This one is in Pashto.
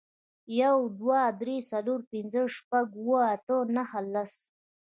یو, دوه, درې, څلور, پنځه, شپږ, اووه, اته, نهه, لس